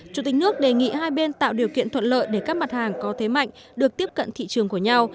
chủ tịch nước đề nghị hai bên tạo điều kiện thuận lợi để các mặt hàng có thế mạnh được tiếp cận thị trường của nhau